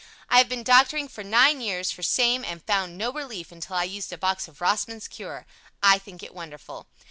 I have been doctoring for nine years for same and found no relief until I used a box of Rossman's Cure. I think it wonderful.